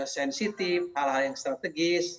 sensitif hal hal yang strategis